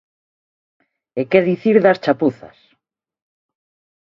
E que dicir das chapuzas?